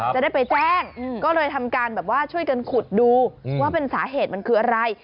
จะได้ไปแจ้งก็เลยทำการแบบว่าช่วยกันขุดดูว่าเป็นสาเหตุมันคืออะไร